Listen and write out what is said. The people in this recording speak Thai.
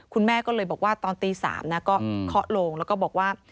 คุณแม่ก็เลยบอกว่าตอนตี๓นะก็เคาะโลงแล้วก็บอกว่า